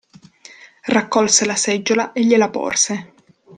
Raccolse la seggiola e gliela porse.